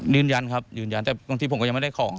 ยืนยันครับยืนยันแต่บางทีผมก็ยังไม่ได้ของ